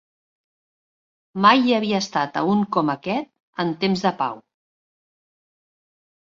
Mai hi havia estat a un com aquest en temps de pau.